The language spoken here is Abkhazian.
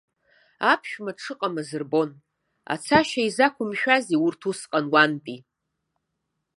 Аԥшәма дшыҟамыз рбон, ацашьа изақәымшәазеи урҭ усҟан уантәи?